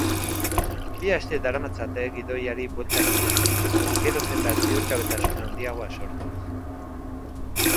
Bi aste daramatzate gidoiari buelta ematen, geroz eta ziurgabetasun handiagoa sortuz.